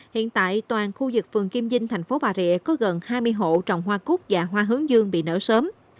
hiện tại toàn khu vực phường kim dinh thành phố bà rịa có gần hai mươi hộ trồng hoa cút và hoa hướng dương bị nở sớm